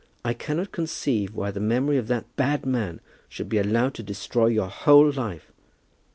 I cannot conceive why the memory of that bad man should be allowed to destroy your whole life."